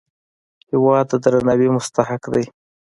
هېواد د درناوي مستحق دی.